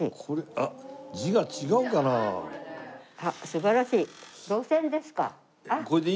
ああ素晴らしい。